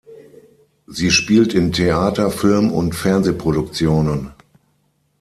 Sie spielt in Theater-, Film- und Fernsehproduktionen.